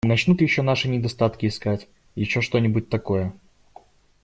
Начнут еще наши недостатки искать, еще что-нибудь такое.